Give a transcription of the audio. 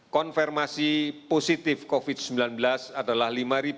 konfirmasi positif covid sembilan belas adalah lima sembilan ratus dua puluh tiga